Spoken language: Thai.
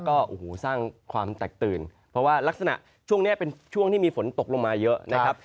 ก็โอ้โหสร้างความแตกตื่นเพราะว่ารักษณะช่วงนี้เป็นช่วงที่มีฝนตกลงมาเยอะนะครับ